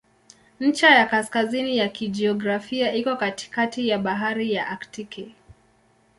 Ncha ya kaskazini ya kijiografia iko katikati ya Bahari ya Aktiki.